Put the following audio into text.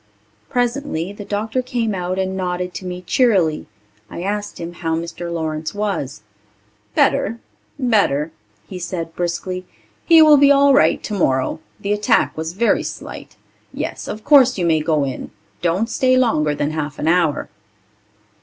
Presently the doctor came out and nodded to me cheerily. I asked him how Mr. Lawrence was. "Better ... better," he said briskly. "He will be all right tomorrow. The attack was very slight. Yes, of course you may go in. Don't stay longer than half an hour."